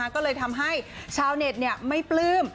ก็เลยทำให้ชาวเน็ตไม่ปลื้ม